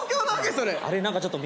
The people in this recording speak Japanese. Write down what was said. それ。